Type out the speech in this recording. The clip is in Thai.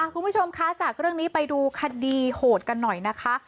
คุณผู้ชมคะจากเรื่องนี้ไปดูคดีโหดกันหน่อยนะคะ